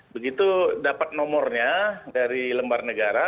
begitu dapat nomornya dari lembar negara